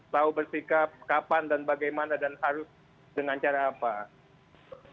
tahu bersikap kapan dan bagaimana dan harus dengan cara apa